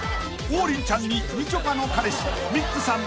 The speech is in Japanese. ［王林ちゃんにみちょぱの彼氏ミッツさん